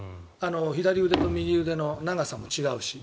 左腕と右腕の長さも違うし。